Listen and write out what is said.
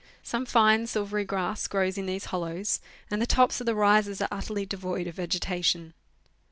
Some fine, silvery gra^s grows in these hollows, and the tops of the rises are utterly devoid of vegetation.